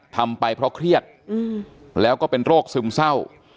ทำไปเพราะเครียดแล้วก็เป็นโรคซึมเศร้า